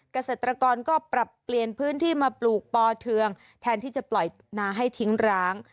เกษตรกรก็ปรับเปลี่ยนพื้นที่มาปลูกปอเทืองแทนที่จะปล่อยนาให้ทิ้งร้าง